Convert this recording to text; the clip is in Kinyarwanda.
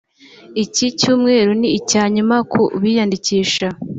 Iki cyumweru ni icya nyuma ku biyandikisha